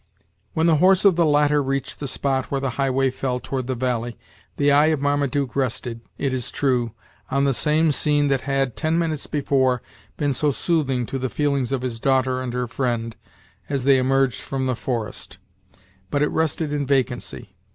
When the horse of the latter reached the spot where the highway fell toward the valley, the eye of Marmaduke rested, it is true, on the same scene that had, ten minutes before, been so soothing to the feelings of his daughter and her friend, as they emerged from the forest; but it rested in vacancy.